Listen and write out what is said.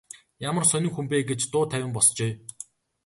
Ямар сонин хүн бэ гэж дуу тавин босжээ.